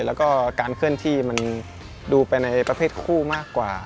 แล้วก็การเคลื่อนที่มันดูไปในประเภทคู่มากกว่า